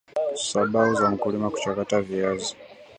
sabau za mkulima kuchakata viazi